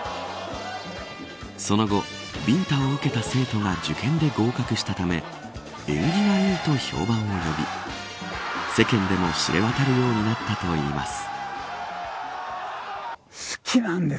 その後、ビンタを受けた生徒が受験で合格したため縁起がいいと評判を呼び世間でも知れ渡るようになったといいます。